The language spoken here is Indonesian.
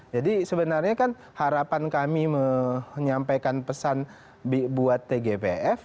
jadi sebenarnya kan harapan kami menyampaikan pesan buat tgpf